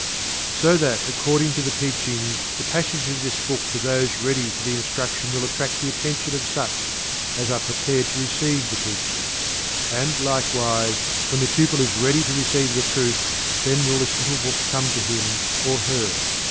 So that according to the Teachings, the passage of this book to those ready for the instruction will attract the attention of such as are prepared to receive the Teaching. And, likewise, when the pupil is ready to receive the truth, then will this little book come to him, or her.